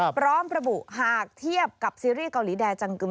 พร้อมระบุหากเทียบกับซีรีส์เกาหลีแดจังกึม